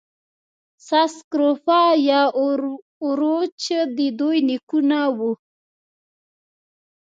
ساس سکروفا یا اوروچ د دوی نیکونه وو.